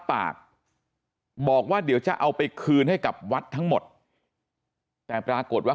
ปากบอกว่าเดี๋ยวจะเอาไปคืนให้กับวัดทั้งหมดแต่ปรากฏว่า